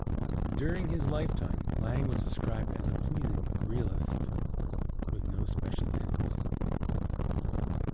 During his lifetime, Lange was described as a pleasing realist with no special tendency.